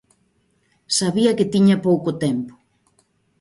Sabía que tiña pouco tempo.